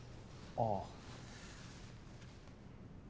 ああ。